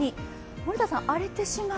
森田さん、荒れてしまう？